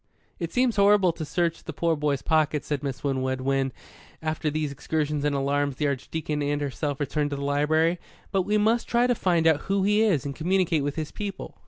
"It seems horrible to search the poor boy's pockets," said Miss Winwood, when, after these excursions and alarms the Archdeacon and herself had returned to the library; "but we must try to find out who he is and communicate with his people.